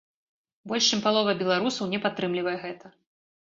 Больш чым палова беларусаў не падтрымлівае гэта.